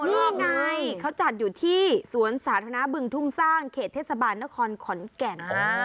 นี่ไงเขาจัดอยู่ที่สวนสาธารณะบึงทุ่งสร้างเขตเทศบาลนครขอนแก่น